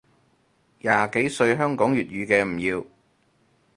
廿幾歲香港粵語嘅唔要